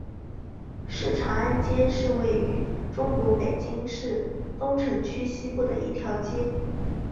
东长安街是位于中国北京市东城区西部的一条街。